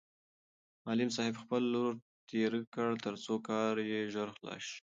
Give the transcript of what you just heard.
معلم صاحب خپل لور تېره کړ ترڅو کار یې ژر خلاص شي.